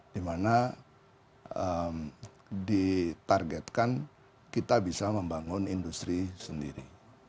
di mana ditargetkan kita bisa membangun industri sendiri